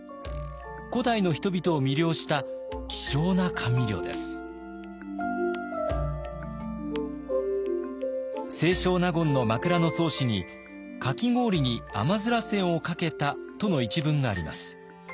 古代の人々を魅了した清少納言の「枕草子」に「かき氷に甘煎をかけた」との一文があります。